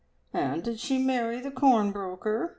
"And did she marry the corn broker?"